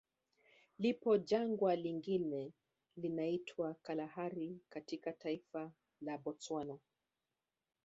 Lipo Jangwa lingine linaitwa Kalahari katika taifa la Botswana